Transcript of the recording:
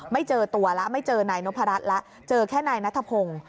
ไม่เจอตัวแล้วไม่เจอนายนพรัชแล้วเจอแค่นายนัทพงศ์